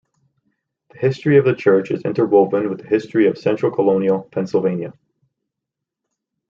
The history of the church is interwoven with the history of central colonial Pennsylvania.